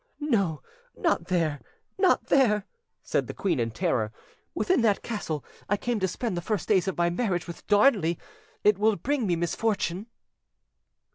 "No, not there! not there!" said the queen in terror: "within that castle I came to spend the first days of my marriage with Darnley; it will bring me misfortune."